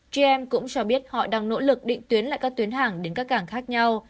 gm cũng cho biết họ đang nỗ lực định tuyến lại các tuyến hàng đến các cảng khác nhau